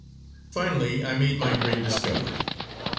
Finally I made my great discovery.